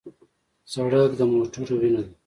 سړک د موټرو وینه ده.